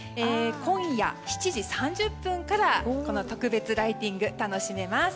今夜７時３０分からこの特別ライティング楽しめます。